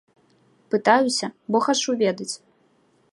Пытаюся, бо хачу ведаць.